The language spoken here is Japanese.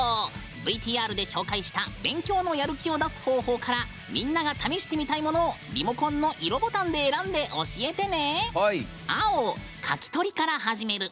ＶＴＲで紹介した「勉強のやる気を出す方法」からみんなが試してみたいものをリモコンの色ボタンで選んで教えてね。